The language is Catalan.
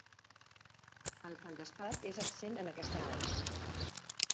El feldespat és absent en aquesta roca.